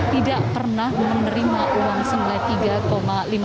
tidak pernah menerima uang semilai tiga miliar rupiah